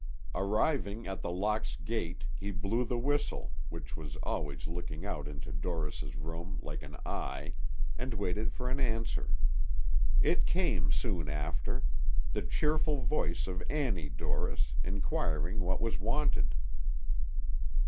Arriving at The Locks' gate, he blew the whistle, which was always looking out into Dorris' room like an eye, and waited for an answer. It came soon after; the cheerful voice of Annie Dorris, inquiring what was wanted.